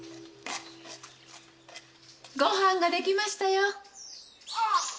ご飯ができましたよ。